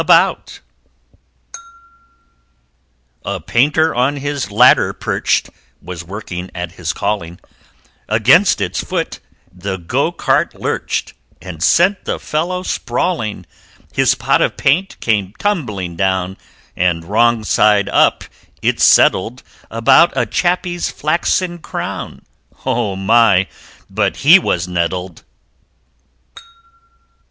A Painter on a ladder perched, Was working at his calling Against its foot the Go cart lurched And sent the fellow sprawling His pot of paint came tumbling down And wrong side up, it settled About a Chappie's flaxen crown Oh, my! but he was nettled!